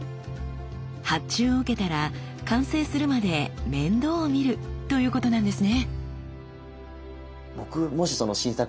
発注を受けたら完成するまで面倒を見るということなんですね。